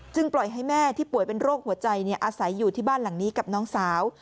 ปล่อยให้แม่ที่ป่วยเป็นโรคหัวใจอาศัยอยู่ที่บ้านหลังนี้กับน้องสาว